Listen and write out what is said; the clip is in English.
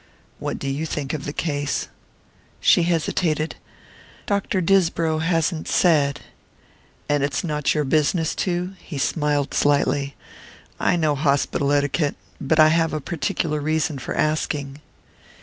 "What do you think of the case?" She hesitated. "Dr. Disbrow hasn't said " "And it's not your business to?" He smiled slightly. "I know hospital etiquette. But I have a particular reason for asking."